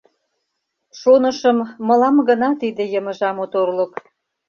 Шонышым, мылам гына Тиде йымыжа моторлык.